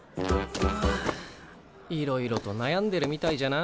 いろいろと悩んでるみたいじゃな。